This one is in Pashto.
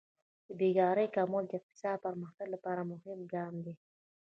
د بیکارۍ کمول د اقتصادي پرمختګ لپاره مهم ګام دی.